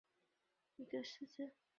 莱雷是德国下萨克森州的一个市镇。